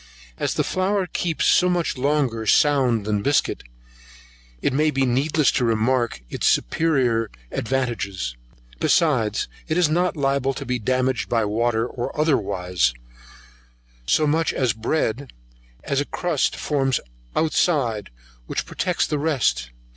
As the flour keeps so much longer sound than biscuit, it may be needless to remark its superior advantages; besides, it is not liable to be damaged by water or otherwise, so much as bread, as a crust forms outside, which protects the rest.